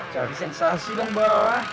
jadi sensasi dong bapak